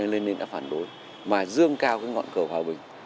lenin đã phản đối mà dương cao ngọn cờ hòa bình